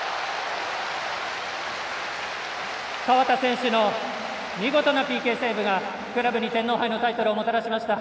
河田選手の見事なＰＫセーブがクラブに天皇杯のタイトルをもたらしました。